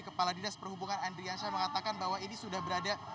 kepala dinas perhubungan andrian syah mengatakan bahwa ini sudah berada